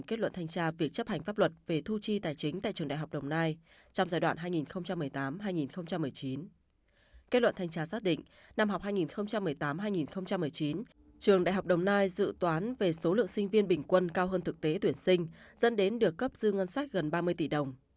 kết luận thanh tra xác định năm học hai nghìn một mươi tám hai nghìn một mươi chín trường đại học đồng nai dự toán về số lượng sinh viên bình quân cao hơn thực tế tuyển sinh dẫn đến được cấp dư ngân sách gần ba mươi tỷ đồng